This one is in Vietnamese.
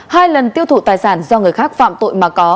hai lần tiêu thụ tài sản do người khác phạm tội mà có